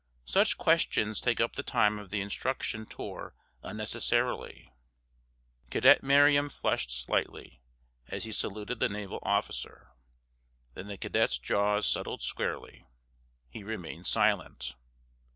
Such questions take up the time of the instruction tour unnecessarily." Cadet Merriam flushed slightly, as he saluted the naval officer. Then the cadet's jaws settled squarely. He remained silent.